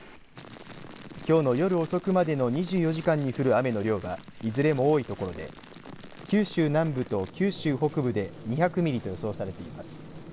きょうの夜遅くまでの２４時間に降る雨の量がいずれも多いところで九州南部と九州北部で２００ミリと予想されています。